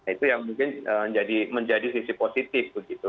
itu yang mungkin menjadi sisi positif begitu